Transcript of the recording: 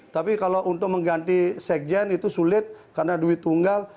tapi kalau untuk mengganti sekjen itu sulit karena duit tunggal